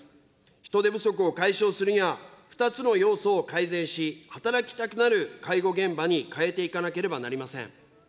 人手不足を解消するには、２つの要素を改善し、働きたくなる介護現場に変えていかなければなりません。